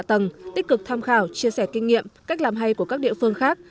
tầng tích cực tham khảo chia sẻ kinh nghiệm cách làm hay của các địa phương khác